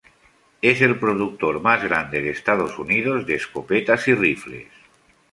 Es el productor más grande de Estados Unidos de escopetas y rifles.